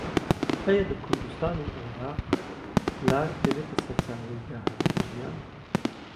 ئایا لە کوردستان و عێراق بڵاگ دەبێتە سەرچاوەی داهاتی ژیان؟